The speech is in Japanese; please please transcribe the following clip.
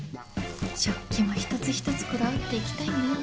食器も一つ一つこだわっていきたいな。